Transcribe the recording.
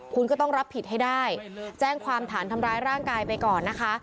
คุณก็ต้องรับผิดให้ได้แจ้งความฐานทำร้ายร่างกายไปก่อนนะคะ